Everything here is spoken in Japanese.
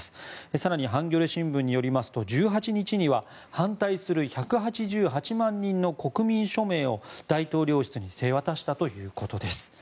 更にハンギョレ新聞によりますと１８日には反対する１８８万人の国民署名を大統領室に手渡したということです。